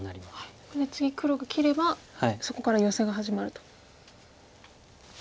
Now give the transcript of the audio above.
ここで次黒が切ればそこからヨセが始まると。